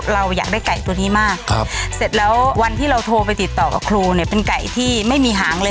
เราอยากได้ไก่ตัวนี้มากครับเสร็จแล้ววันที่เราโทรไปติดต่อกับครูเนี่ยเป็นไก่ที่ไม่มีหางเลย